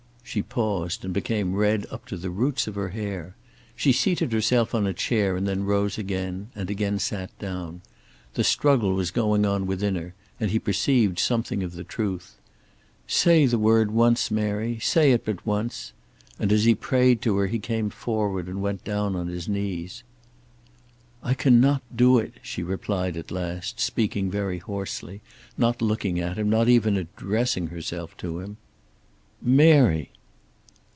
She paused, and became red up to the roots of her hair. She seated herself on a chair, and then rose again, and again sat down. The struggle was going on within her, and he perceived something of the truth. "Say the word once, Mary; say it but once." And as he prayed to her he came forward and went down upon his knees. "I cannot do it," she replied at last, speaking very hoarsely, not looking at him, not even addressing herself to him. "Mary!"